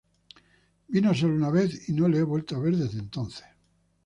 Vino solo una vez y no lo he vuelto a ver desde entonces.